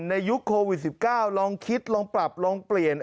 ยุคโควิด๑๙ลองคิดลองปรับลองเปลี่ยน